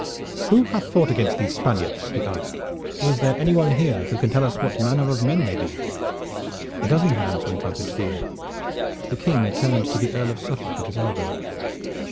"Who hath fought against these Spaniards?" he asked. "Is there anyone here who can tell us what manner of men they be?" A dozen hands went up into the air; but the King turned to the Earl of Suffolk at his elbow.